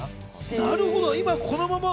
なるほど。